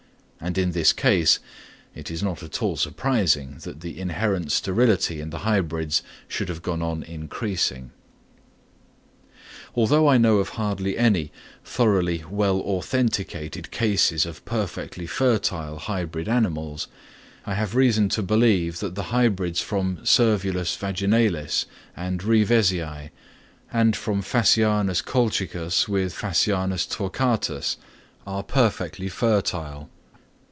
And in this case, it is not at all surprising that the inherent sterility in the hybrids should have gone on increasing. Although I know of hardly any thoroughly well authenticated cases of perfectly fertile hybrid animals, I have reason to believe that the hybrids from Cervulus vaginalis and Reevesii, and from Phasianus colchicus with P. torquatus, are perfectly fertile.